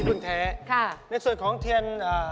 คิดว่าแท้ในส่วนของเทียน